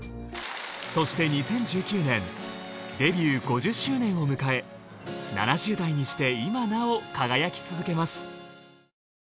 そして２０１９年デビュー５０周年を迎え７０代にして今なお輝き続けます。